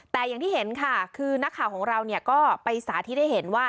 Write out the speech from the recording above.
แต่อย่างที่เห็นค่ะคือนักข่าวของเราก็ไปสาธิตให้เห็นว่า